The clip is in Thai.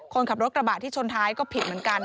คนขับรถกระบะที่ชนท้ายก็ผิดเหมือนกัน